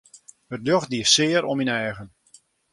It ljocht die sear oan myn eagen.